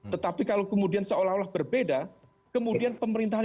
tetapi kalau kemudian seolah olah berbeda kemudian pemerintahan